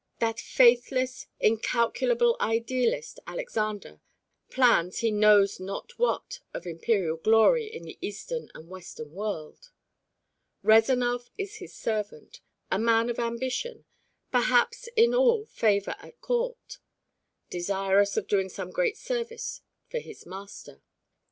That faithless, incalculable idealist Alexander, plans he knows not what of imperial glory in the Eastern and Western world. Rezanov is his servant, a man of ambition, perhaps in all favor at court, desirous of doing some great service for his master.